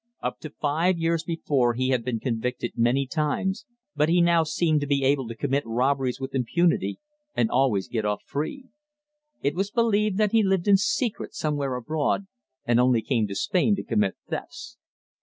Up to five years before he had been convicted many times, but he now seemed to be able to commit robberies with impunity, and always get off free. It was believed that he lived in secret somewhere abroad and only came to Spain to commit thefts.